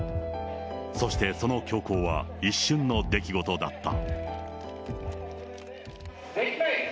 そして、その凶行は一瞬の出来事だった。